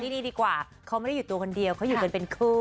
ดีดีกว่าเขาไม่ได้อยู่ตัวคนเดียวเขาอยู่กันเป็นคู่